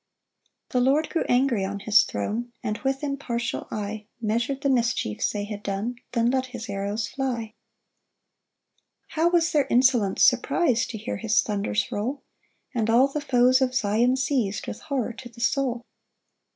4 The Lord grew angry on his throne, And with impartial eye Measur'd the mischiefs they had done Then let his arrows fly. 5 How was their insolence surpris'd To hear his thunders roll! And all the foes of Zion seiz'd With horror to the soul.